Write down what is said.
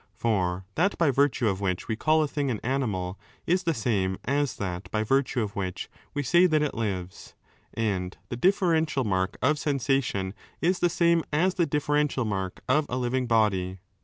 For that by virtue of which we call a thing an animal is the same as that by virtue of which we say that it lives, and the differential mark of sensation is the same as the differential mark of a lo living body.